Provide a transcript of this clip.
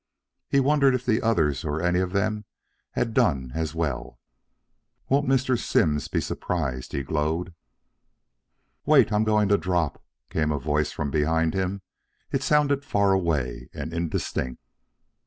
He wondered if the others or any of them had done as well. "Won't Mr. Simms be surprised?" he glowed. "Wait, I I I'm going to drop," came a voice from behind him. It sounded far away and indistinct.